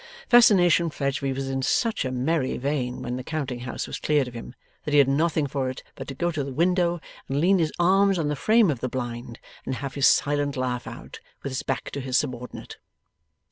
Fascination Fledgeby was in such a merry vein when the counting house was cleared of him, that he had nothing for it but to go to the window, and lean his arms on the frame of the blind, and have his silent laugh out, with his back to his subordinate.